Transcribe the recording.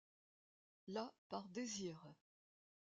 La par désir.